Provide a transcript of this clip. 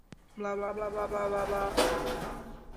V tu chvíli začne mít Ted silnou bolest hlavy.